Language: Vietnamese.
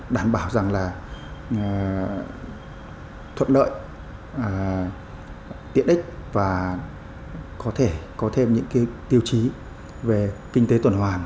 đảm bảo thuận lợi tiện ích và có thể có thêm những tiêu chí về kinh tế tuần hoàn